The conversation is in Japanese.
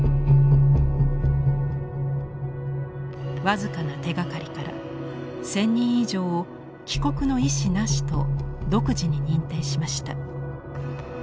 僅かな手がかりから１，０００人以上を帰国の意思なしと独自に認定しました。